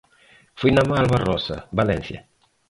Foi na Malvarrosa, Valencia.